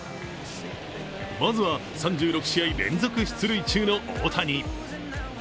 まずは３６試合連続出塁中の大谷。